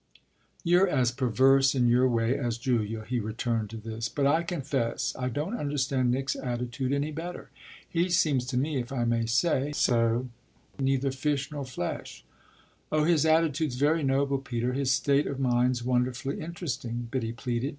"You're as perverse, in your way, as Julia," he returned to this. "But I confess I don't understand Nick's attitude any better. He seems to me, if I may say so, neither fish nor flesh." "Oh his attitude's very noble, Peter; his state of mind's wonderfully interesting," Biddy pleaded.